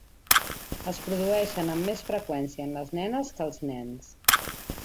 Es produeixen amb més freqüència en les nenes que els nens.